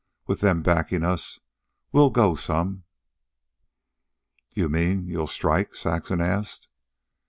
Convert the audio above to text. With them backin' us we'll go some." "You mean you'll... strike?" Saxon asked.